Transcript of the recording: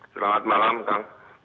selamat malam kang